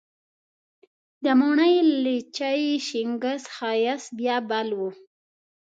د موڼي، لچي، شینګس ښایست بیا بل و